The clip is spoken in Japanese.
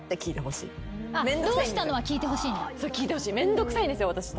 「どうしたの？」は聞いてほしいの？聞いてほしいめんどくさいんですよ私。